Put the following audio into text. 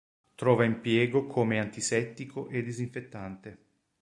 Trova impiego come antisettico e disinfettante.